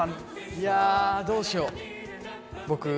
いやどうしよう。